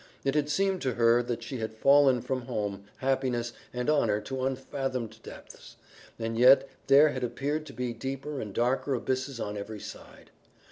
It had seemed to her that she had fallen from home, happiness, and honor to unfathomed depths, and yet there had appeared to be deeper and darker abysses on every side.